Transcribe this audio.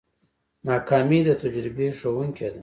ناکامي د تجربې ښوونکې ده.